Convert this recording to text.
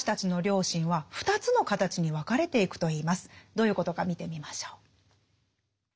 どういうことか見てみましょう。